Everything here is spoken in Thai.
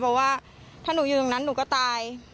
เพราะว่าถ้าหนูอยู่ตรงนั้นหนูก็ตาย